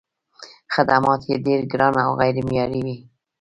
خدمات یې ډېر ګران او غیر معیاري وي.